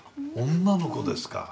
女の子ですか。